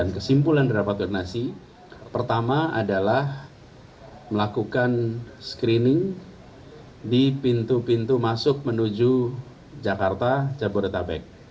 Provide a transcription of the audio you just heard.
kesimpulan rapat koordinasi pertama adalah melakukan screening di pintu pintu masuk menuju jakarta jabodetabek